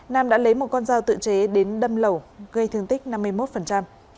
nam đã lấy một con dao tự chế đến đâm lẩu gây thương tích năm mươi một